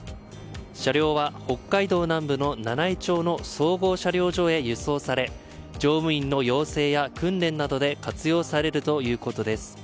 車両は北海道南部の七飯町の総合車両所へ輸送され乗務員の養成や訓練などで活用されるということです。